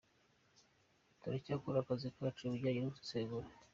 Turacyakora akazi kacu kajyanye no gusesengura.